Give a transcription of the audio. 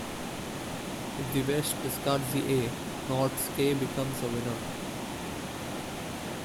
If West discards the A, North's K becomes a winner.